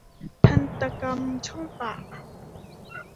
ทันตกรรมช่องปาก